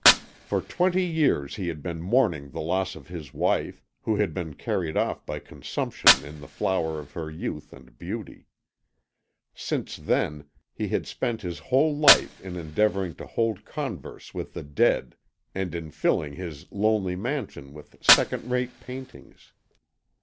For twenty years he had been mourning the loss of his wife, who had been carried off by consumption in the flower of her youth and beauty. Since then he had spent his whole life in endeavouring to hold converse with the dead and in filling his lonely mansion with second rate paintings.